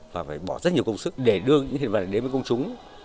và phải bỏ rất nhiều công sức để đưa những hiện vật đến với công chúng